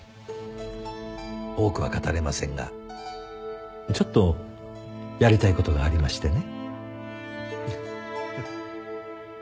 多くは語れませんがちょっとやりたい事がありましてね。